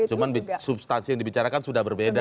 cuma substansi yang dibicarakan sudah berbeda